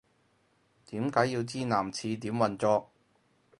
點解要知男廁點運作